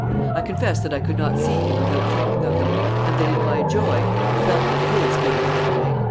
I confess that I could not see him without thinking of them, and that in my joy I felt that his gave me a pang."